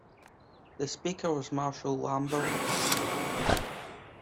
The Speaker was Marcel Lambert.